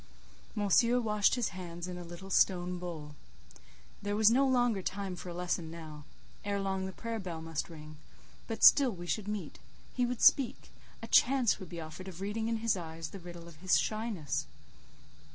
Monsieur washed his hands in a little stone bowl. There was no longer time for a lesson now; ere long the prayer bell must ring; but still we should meet; he would speak; a chance would be offered of reading in his eyes the riddle of his shyness.